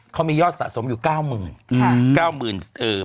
เขามียอดสะสมอยู่๙หมื่น